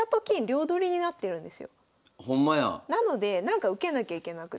なのでなんか受けなきゃいけなくて。